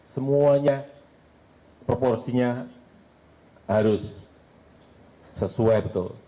semuanya proporsinya harus sesuai betul